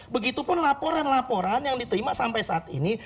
begitu pun laporan laporan yang diterima sampai saat ini